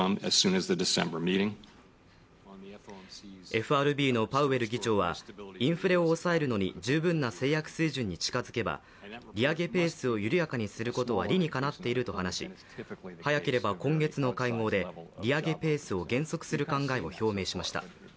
ＦＲＢのパウエル議長はインフレを抑えるのに十分な制約水準に近づけば利上げペースを緩やかにすることは理にかなっていると話し早ければ今月の会合で利上げペースを減速する考えを示しました。